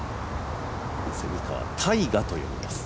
蝉川泰果と読みます。